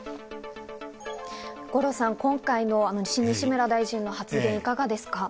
五郎さん、今回の西村大臣の発言いかがですか？